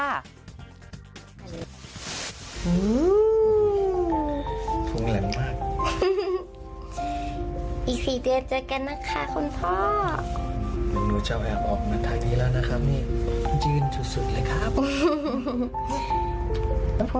อีก๔เดือนเจอกันนะคะคุณพ่อ